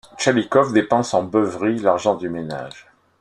Tchalikov dépense en beuveries l’argent du ménage.